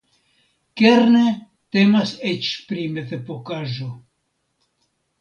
Kerne temas eĉ pri mezepokaĵo!